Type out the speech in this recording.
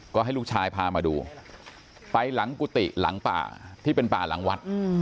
ก็ให้ลูกชายพามาดูไปหลังกุฏิหลังป่าที่เป็นป่าหลังวัด